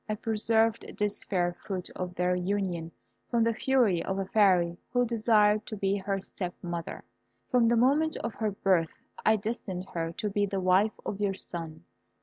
I preserved this fair fruit of their union from the fury of a Fairy who desired to be her step mother. From the moment of her birth I destined her to be the wife of your son.